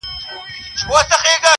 که د خولې مهر په حلوا مات کړي,